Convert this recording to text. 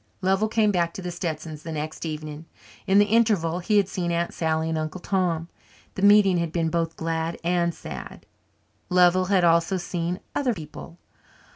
Lovell came back to the Stetsons' the next evening. In the interval he had seen Aunt Sally and Uncle Tom. The meeting had been both glad and sad. Lovell had also seen other people.